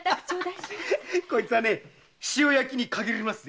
こいつは塩焼きに限りますぜ。